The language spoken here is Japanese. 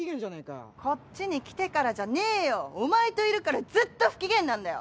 「こっちに来てから」じゃねえよお前といるからずっと不機嫌なんだよ！